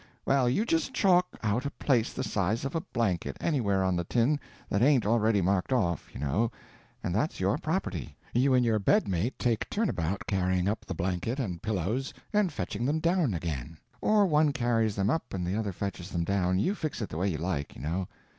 Well, you just chalk out a place the size of a blanket anywhere on the tin that ain't already marked off, you know, and that's your property. You and your bed mate take turnabout carrying up the blanket and pillows and fetching them down again; or one carries them up and the other fetches them down, you fix it the way you like, you know.